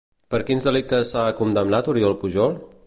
Per quins delictes s'ha condemnat Oriol Pujol?